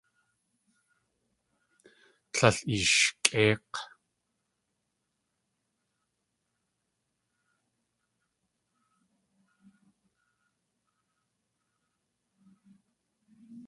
Líl eeshkʼéik̲!